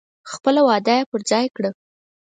خپله وعده یې پر ځای کړه.